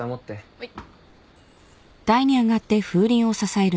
はい。